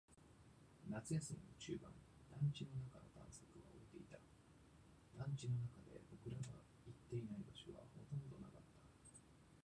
夏休みも中盤。団地の中の探索は終えていた。団地の中で僕らが行っていない場所はほとんどなかった。